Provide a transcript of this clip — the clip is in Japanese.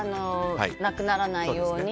なくならないように。